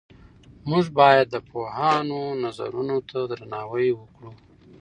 موږ باید د پوهانو نظرونو ته درناوی وکړو.